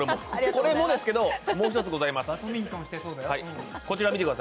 これもですけど、もう一つございます。